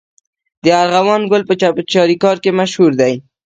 د ارغوان ګل په چاریکار کې مشهور دی.